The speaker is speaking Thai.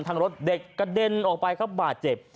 รถเด็กกระเด็นออกไปครับบาดเจ็บ